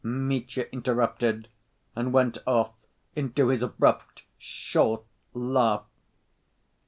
Mitya interrupted, and went off into his abrupt, short laugh.